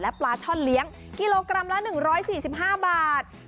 ปลาช่อนเลี้ยงกิโลกรัมละ๑๔๕บาท